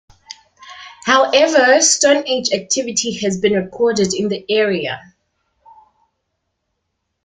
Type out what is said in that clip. However, Stone Age activity has been recorded in the area.